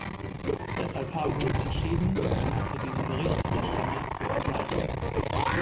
Deshalb haben wir uns entschieden, uns zu diesem Bericht der Stimme zu enthalten.